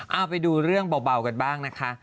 เอาไปดูเรื่องเบากันบ้างนะคะ